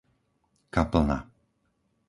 Kaplna